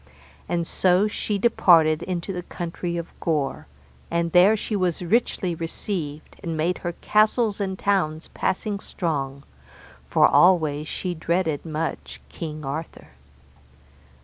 And so she departed into the country of Gore, and there was she richly received, and made her castles and towns passing strong, for always she dreaded much King Arthur.